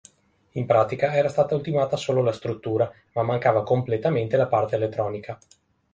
In pratica, era stata ultimata solo la struttura, ma mancava completamente la parte elettronica.